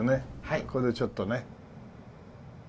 これでちょっとね。